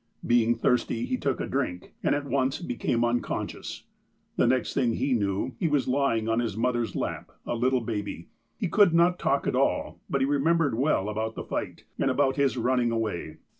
Being thirsty, he took a drink, and at once became unconscious. "The next thing he knew he was lying on his mother's lap, a little baby. He could not talk at all, but he re membered well about the fight, and about his running away.